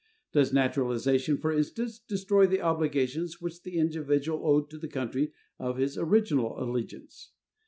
Does naturalization, for instance, destroy the obligations which the individual owed to the country of his original allegiance?